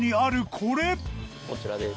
こちらです。